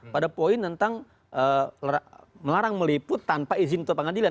pada poin tentang melarang meliput tanpa izin ketua pengadilan